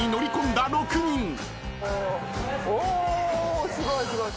おすごいすごい。